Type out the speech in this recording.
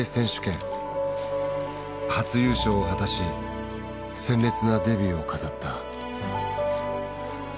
初優勝を果たし鮮烈なデビューを飾った。